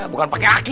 bukan pake laki